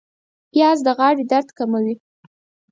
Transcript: پیاز د غاړې درد کموي